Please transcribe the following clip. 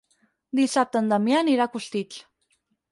Dissabte en Damià anirà a Costitx.